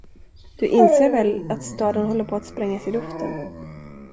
Du inser väl att staden håller på att sprängas i luften.